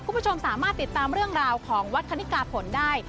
คุณผู้ชมสามารถติดตามเรื่องราวของวัดคณิกาผลได้